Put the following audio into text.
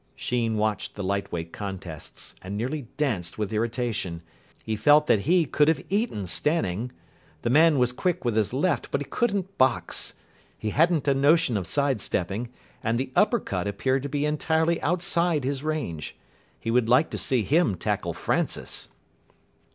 Sheen watched the Light Weight contests, and nearly danced with irritation. He felt that he could have eaten Stanning. The man was quick with his left, but he couldn't box. He hadn't a notion of side stepping, and the upper cut appeared to be entirely outside his range. He would like to see him tackle Francis.